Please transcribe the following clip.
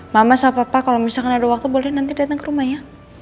mama sama papa kalau misalkan ada waktu boleh nanti datang ke rumahnya